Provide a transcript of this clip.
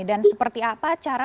dan seperti apa cara